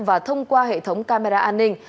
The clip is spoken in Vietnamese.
và thông qua hệ thống camera an ninh